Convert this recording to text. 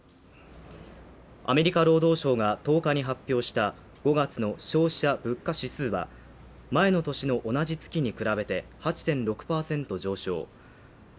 アメリカ労働省が１０日に発表した５月の消費者物価指数は前の年の同じ月に比べて８．６％上昇